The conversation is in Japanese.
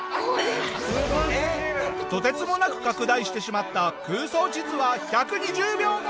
とてつもなく拡大してしまった空想地図は１２０秒後！